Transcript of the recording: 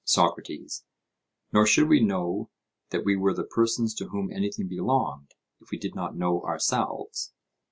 SOCRATES: Nor should we know that we were the persons to whom anything belonged, if we did not know ourselves?